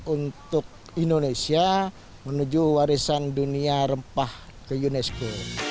untuk indonesia menuju warisan dunia rempah ke unesco